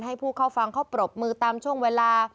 ให้ผู้เข้าฟังเขาปรบมือตามช่วงเวลา